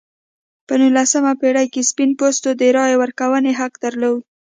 په نولسمې پېړۍ کې سپین پوستو د رایې ورکونې حق درلود.